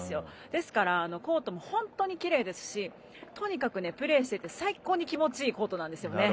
ですからコートも本当にきれいですしとにかくプレーしてて最高に気持ちいいコートなんですよね。